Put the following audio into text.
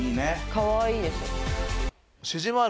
かわいいです。